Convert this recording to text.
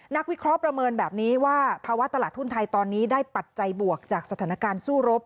วิเคราะห์ประเมินแบบนี้ว่าภาวะตลาดหุ้นไทยตอนนี้ได้ปัจจัยบวกจากสถานการณ์สู้รบ